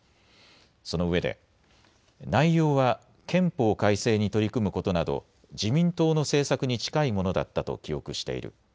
そのうえで内容は憲法改正に取り組むことなど自民党の政策に近いものだったと記憶している。